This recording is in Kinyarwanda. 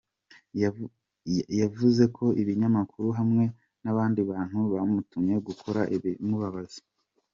Yvuze ko ibinyamakuru hamwe n'abandi bantu bamutumye gukora ibimubabaza.